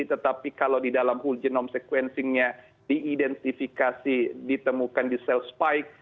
tetapi kalau di dalam whole genome sequencing nya diidentifikasi ditemukan di sel spike